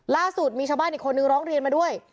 ล่าสุดมีชาวบ้านอีกคนนึงร้องเรียนมาด้วย